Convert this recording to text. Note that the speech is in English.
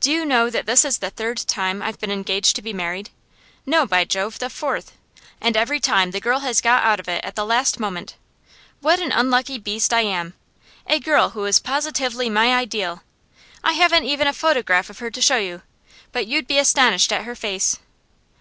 Do you know that this is the third time I've been engaged to be married? no, by Jove, the fourth! And every time the girl has got out of it at the last moment. What an unlucky beast I am! A girl who was positively my ideal! I haven't even a photograph of her to show you; but you'd be astonished at her face.